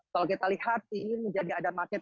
kalau kita lihat ini menjadi ada market